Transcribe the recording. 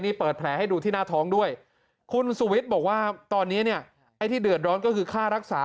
นี่เปิดแผลให้ดูที่หน้าท้องด้วยคุณสุวิทย์บอกว่าตอนนี้เนี่ยไอ้ที่เดือดร้อนก็คือค่ารักษา